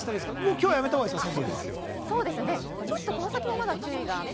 今日はやめたほうがいいですか？